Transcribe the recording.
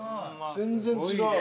全然違う。